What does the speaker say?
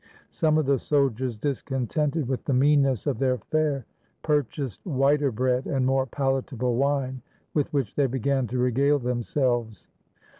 Some of the soldiers, discontented with the meanness of their fare, purchased whiter bread and more palatable wine, with which they began to regale themselves.